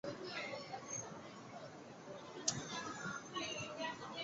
文献里常见到两种电势的多极展开方法。